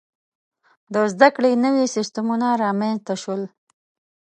• د زده کړې نوي سیستمونه رامنځته شول.